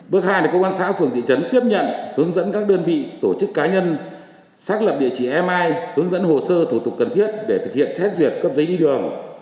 bước hai là công an xã phường thị trấn tiếp nhận hướng dẫn các đơn vị tổ chức cá nhân xác lập địa chỉ ai hướng dẫn hồ sơ thủ tục cần thiết để thực hiện xét duyệt cấp giấy đi đường